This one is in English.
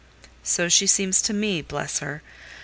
"So she seems to me—bless her!